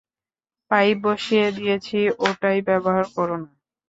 Pipe বসিয়ে দিয়েছি, ওটাই ব্যবহার করো না।